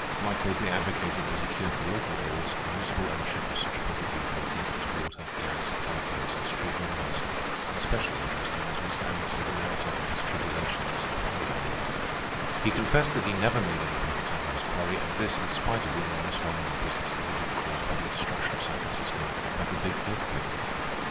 Likewise they advocated, as a cure for local ills, municipal ownership of such public utilities as water, gas, telephones, and street railways. Especially interesting was Mr. Asmunsen's narrative of his tribulations as a quarry owner. He confessed that he never made any profits out of his quarry, and this, in spite of the enormous volume of business that had been caused by the destruction of San Francisco by the big earthquake.